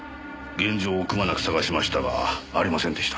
現場をくまなく探しましたがありませんでした。